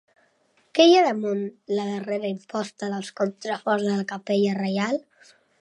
Què hi ha damunt la darrera imposta dels contraforts de la capella Reial?